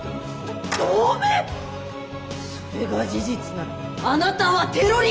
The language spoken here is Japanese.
それが事実ならあなたはテロリストだ！